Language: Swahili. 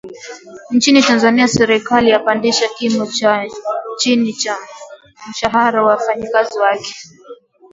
Inchini Tanzania Serikali yapandisha kimo cha chini cha mshahara wa wafanyakazi wake